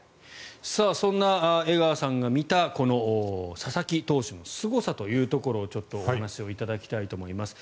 そんな江川さんが見た佐々木投手のすごさをちょっとお話しいただきたいと思います。